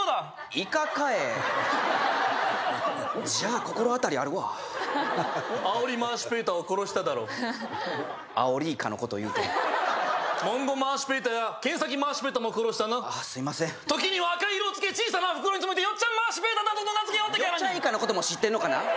イカかえじゃあ心当たりあるわアオリマーシュペーターを殺しただろアオリイカのこと言うてるモンゴウマーシュペーターやケンサキマーシュペーターも殺したなすいません時には赤い色をつけ小さな袋に詰めてよっちゃんマーシュペーターなどと名付けおってからによっちゃんイカのことも知ってんのかな？